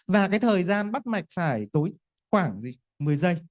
và cái thời gian bắt mạch phải tối khoảng một mươi giây